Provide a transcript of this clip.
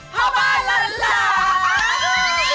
ฮาวบ้านละละ